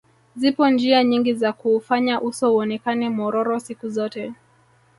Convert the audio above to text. Zipo njia nyingi za kuufanya uso uonekane mororo siku zote